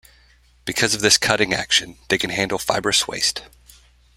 Because of this cutting action, they can handle fibrous waste.